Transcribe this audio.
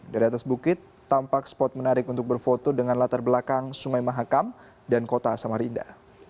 dari atas bukit tampak spot menarik untuk berfoto dengan latar belakang sungai mahakam dan kota samarinda